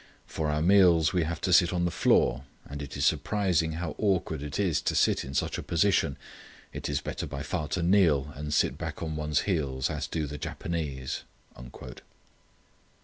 For our meals we have to sit on the floor, and it is surprising how awkward it is to eat in such a position; it is better by far to kneel and sit back on one's heels, as do the Japanese."